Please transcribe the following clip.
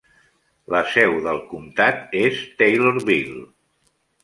La seu del comtat és Taylorville.